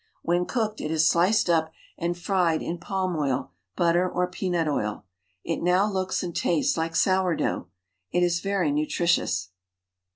When cooked, it is sliced up and fried in palm oil, butter, or peanut oil. It now looks and tastes like sour dough. It is very nutritious.